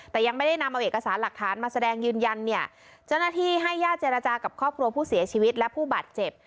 แต่ยังไม่ได้นำเอาเอกสารหลักฐานมาแสดงยืนยันเนี่ยเจ้าหน้าที่ให้ญาติเจรจากับครอบครัวผู้เสียชีวิตและผู้บาดเจ็บ